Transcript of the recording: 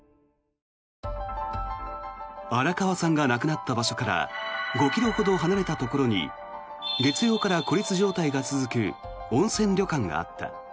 荒川さんが亡くなった場所から５ｋｍほど離れたところに月曜から孤立状態が続く温泉旅館があった。